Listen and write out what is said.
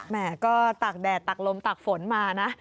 แม่ก็ตากแดดตักลมตักฝนมานะ